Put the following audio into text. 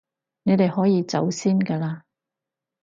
你哋可以走先㗎喇